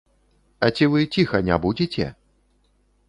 А ці вы ціха не будзеце?